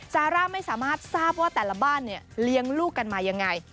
ซาร่าไม่สามารถทราบว่าแต่ละบ้านเนี่ยเลี้ยงลูกกันมายังไง